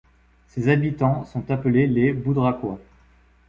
Ses habitants sont appelés les Boudracois.